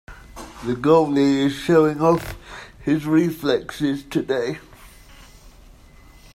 The goalie is showing off his reflexes today.